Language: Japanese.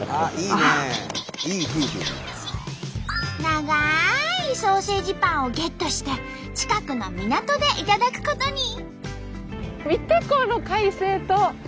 長いソーセージパンをゲットして近くの港で頂くことに。